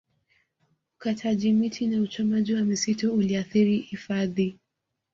ukataji miti na uchomaji wa misitu uliathiri hifadhi